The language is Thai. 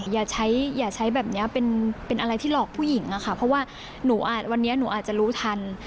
อย่าใช้อย่าใช้แบบนี้เป็นอะไรที่หลอกผู้หญิงอะค่ะเพราะว่าหนูอาจวันนี้หนูอาจจะรู้ทัน